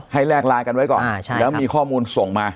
แลกไลน์กันไว้ก่อนแล้วมีข้อมูลส่งมา